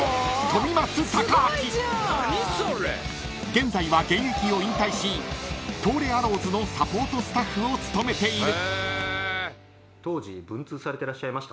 ［現在は現役を引退し東レアローズのサポートスタッフを務めている］